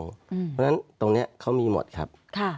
เพราะฉะนั้นตรงนี้เขามีหมดครับ